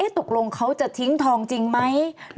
ตกลงเขาจะทิ้งทองจริงไหม